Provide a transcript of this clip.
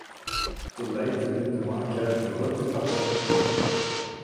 تو لائق ترین دماغ کیا جوہر دکھاتے؟